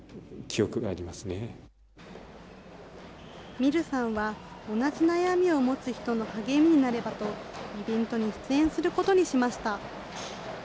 ｍｉｒｕさんは同じ悩みを持つ人の励みになればと、イベントに出演することにしました。